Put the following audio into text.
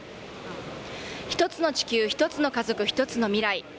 １つの地球、１つの家族、一つの未来。